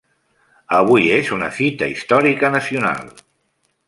Avui és una fita històrica nacional.